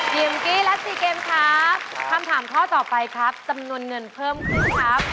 ิมกี้และซีเกมครับคำถามข้อต่อไปครับจำนวนเงินเพิ่มขึ้นครับ